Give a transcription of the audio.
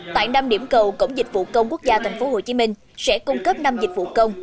tại năm điểm cầu cổng dịch vụ công quốc gia tp hcm sẽ cung cấp năm dịch vụ công